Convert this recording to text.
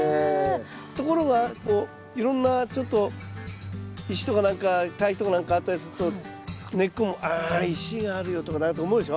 ところがこういろんなちょっと石とか何か堆肥とか何かあったりすると根っこもあ石があるよとか思うでしょ。